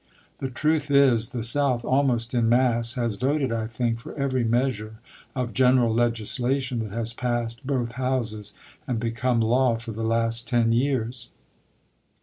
The truth is, the South, almost in mass, has voted I think for every measure of general legislation that has passed both Houses and be come law for the last ten years.